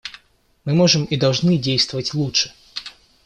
Мы можем и должны действовать лучше.